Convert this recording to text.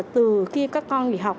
từ khi các con nghỉ học